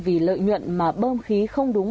vì lợi nhuận mà bơm khí không đúng